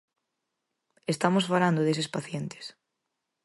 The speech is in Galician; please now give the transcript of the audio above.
Estamos falando deses pacientes.